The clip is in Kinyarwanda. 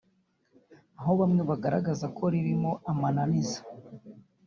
aho bamwe bagaragaza ko ririmo amananiza